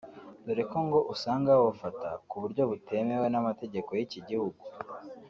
dore ko ngo usanga babufata ku buryo butemewe n’amategeko y’iki gihugu